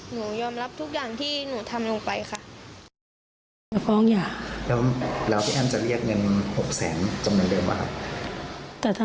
หนูยอมรับทุกอย่างที่หนูทำลงไปค่ะ